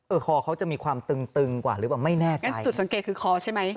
คอเขาจะมีความตึงตึงกว่าหรือเปล่าไม่แน่ใจงั้นจุดสังเกตคือคอใช่ไหม